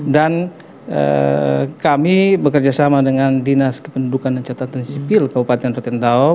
dan kami bekerjasama dengan dinas kependudukan dan catatan sipil kabupaten rutindau